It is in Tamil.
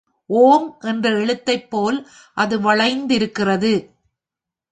ஒம் என்ற எழுத்தைப் போல் அது வளைந்திருக்கிறது.